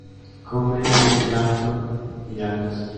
Come zooplancton y algas.